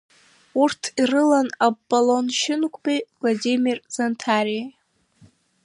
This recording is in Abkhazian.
Урҭ ирылан Апполон Шьынқәбеи Владимир Занҭариеи.